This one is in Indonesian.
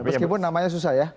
meskipun namanya susah ya